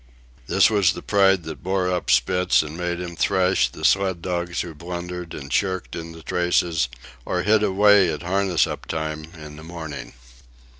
This was the pride that bore up Spitz and made him thrash the sled dogs who blundered and shirked in the traces or hid away at harness up time in the morning.